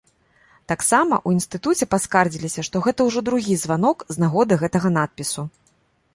Таксама ў інстытуце паскардзіліся, што гэта ўжо другі званок з нагоды гэтага надпісу.